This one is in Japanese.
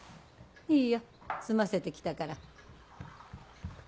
いいよ済ませてきたから。